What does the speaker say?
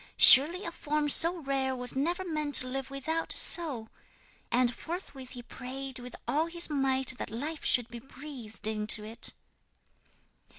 "Surely a form so rare was never meant to live without a soul." And forthwith he prayed with all his might that life should be breathed into it.